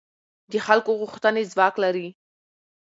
د خلکو غوښتنې ځواک لري